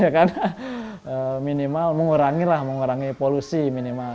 karena minimal mengurangi polusi minimal